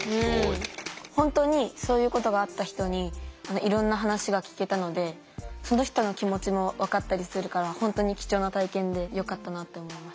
本当にそういうことがあった人にいろんな話が聞けたのでその人の気持ちも分かったりするから本当に貴重な体験でよかったなって思いました。